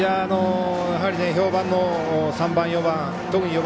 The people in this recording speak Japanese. やはり評判の３番、４番。